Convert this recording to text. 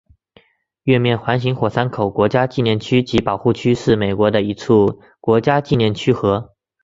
月面环形火山口国家纪念区及保护区是美国的一处国家纪念区和。